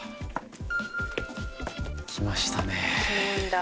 来ましたね。